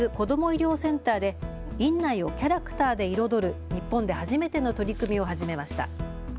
医療センターで院内をキャラクターで彩る日本で初めての取り組みを始めました。